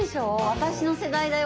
私の世代だよ。